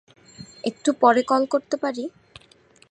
একটু পরে কল করতে পারি?